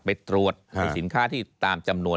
ไปตรวจในสินค้าที่ตามจำนวน